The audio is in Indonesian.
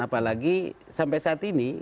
apalagi sampai saat ini